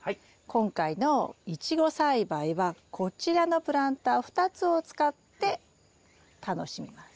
今回のイチゴ栽培はこちらのプランター２つを使って楽しみます。